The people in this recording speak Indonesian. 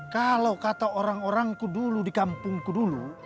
kalau kata orang orangku dulu di kampungku dulu